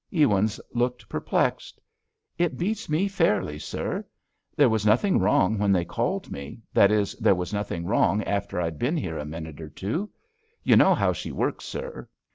Ewins looked perplexed. "It beats me fairly, sir. There was nothing wrong when they called me—that is, there was nothing wrong after I'd been here a minute or two. You know how she works, sir."